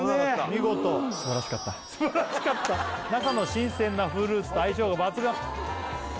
見事中の新鮮なフルーツと相性が抜群